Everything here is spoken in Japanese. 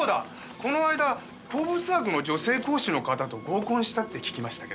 この間鉱物学の女性講師の方と合コンしたって聞きましたけど？